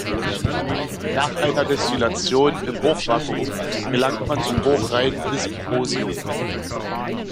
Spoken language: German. Nach einer Destillation im Hochvakuum gelangt man zum hochreinen Dysprosium.